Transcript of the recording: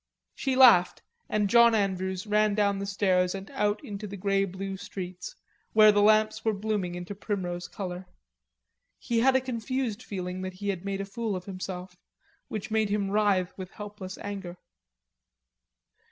She laughed, and John Andrews ran down the stairs and out into the grey blue streets, where the lamps were blooming into primrose color. He had a confused feeling that he had made a fool of himself, which made him writhe with helpless anger.